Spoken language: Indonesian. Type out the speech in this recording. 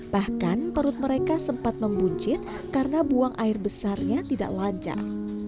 bahkan perut mereka sempat membuncit karena buang air besarnya tidak lancar